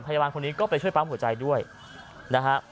พยาบาลคนนี้ก็ไปช่วยปั๊มหัวใจด้วยนะฮะ